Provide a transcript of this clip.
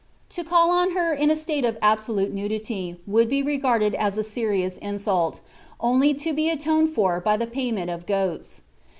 To call on her in a state of absolute nudity would be regarded as a serious insult, only to be atoned for by the payment of goats.